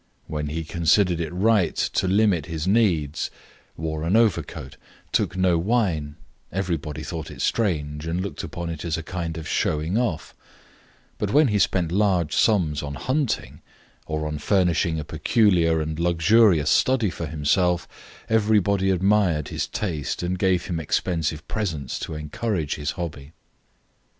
When he considered it right to limit his needs, wore an old overcoat, took no wine, everybody thought it strange and looked upon it as a kind of showing off; but when he spent large sums on hunting, or on furnishing a peculiar and luxurious study for himself, everybody admired his taste and gave him expensive presents to encourage his hobby.